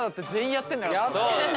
やってんだから。